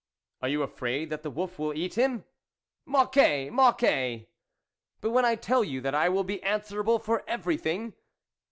"" Are you afraid that the wolf will eat him ?"" Mocquet ! Mocquet !" "But when I tell you that I will be answerable for everything